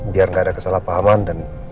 biar nggak ada kesalahpahaman dan